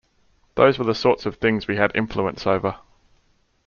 Those were the sorts of thing we had influence over.